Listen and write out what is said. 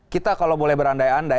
kita kalau boleh berandai andai